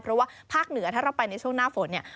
เพราะว่าภาคเหนือถ้าเราไปในช่วงหน้าฝนเนี่ย